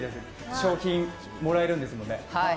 賞金もらえるんですもんね。